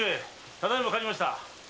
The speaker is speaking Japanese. ただ今帰りました！